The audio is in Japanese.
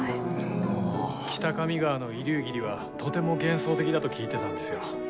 北上川の移流霧はとても幻想的だと聞いてたんですよ。